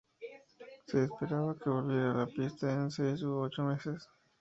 Se esperaba que volviera a la pista en seis u ocho meses.